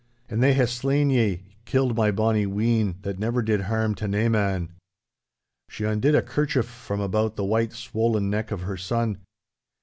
And they hae slain ye, killed my bonny wean, that never did harm to nae man—' She undid a kerchief from about the white, swollen neck of her son.